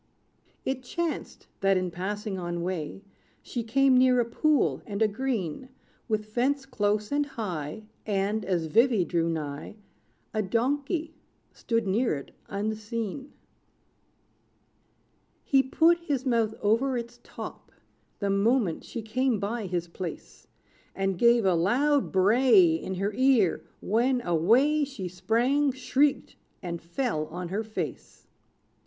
It chanced, that, in passing on way, She came near a pool, and a green With fence close and high; And, as Vivy drew nigh, A donkey stood near it unseen. He put his mouth over its top, The moment she came by his place; And gave a loud bray In her ear, when, away She sprang, shrieked, and fell on her face.